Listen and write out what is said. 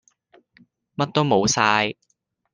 乜都冇曬